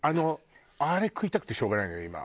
あれ食いたくてしょうがないのよ今。